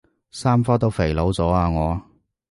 三科都肥佬咗啊我